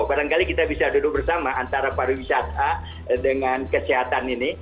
barangkali kita bisa duduk bersama antara pariwisata dengan kesehatan ini